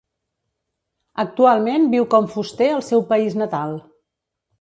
Actualment viu com fuster al seu país natal.